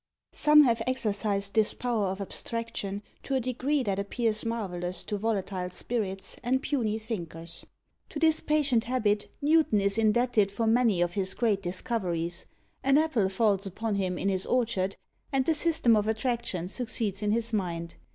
Some have exercised this power of abstraction to a degree that appears marvellous to volatile spirits, and puny thinkers. To this patient habit, Newton is indebted for many of his great discoveries; an apple falls upon him in his orchard, and the system of attraction succeeds in his mind!